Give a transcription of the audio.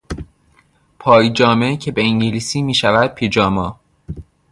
پای جامه که به انگلیسی میشود پیجاما